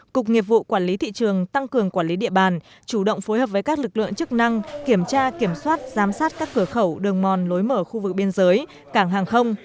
cục nghiệp vụ quản lý thị trường tăng cường quản lý địa bàn chủ động phối hợp với các lực lượng chức năng kiểm tra kiểm soát giám sát các cửa khẩu đường mòn lối mở khu vực biên giới cảng hàng không